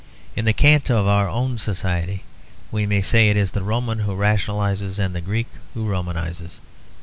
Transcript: In the cant of our own society, we may say it is the Roman who rationalises and the Greek who Romanises.